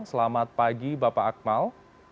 selamat pagi bapak akmal